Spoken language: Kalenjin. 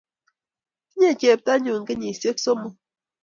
tinye cheptanyuu kenyishek somok